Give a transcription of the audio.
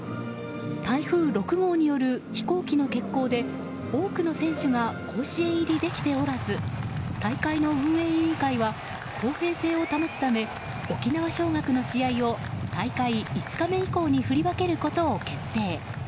台風６号による飛行機の欠航で多くの選手が甲子園入りできておらず大会の運営委員会が公平性を保つため沖縄尚学の試合を大会５日目以降に振り分けることを決定。